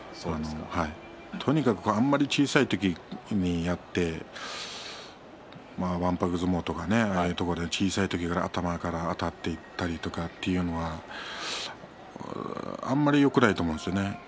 とにかくあまり小さい時にやってわんぱく相撲とかねああいうところで小さい時から頭からあたっていったりとかあまりよくないと思うんですよね。